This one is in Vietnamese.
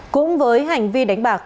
cũng với hành vi đánh bạc